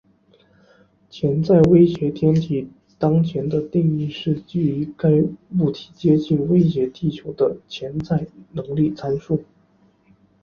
潜在威胁天体当前的定义是基于该物体接近威胁地球的潜在能力参数。